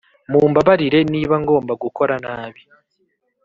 mumbabarire niba ngomba gukora nabi.